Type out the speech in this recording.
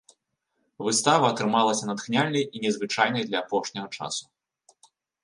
Выстава атрымалася натхняльнай і незвычайнай для апошняга часу.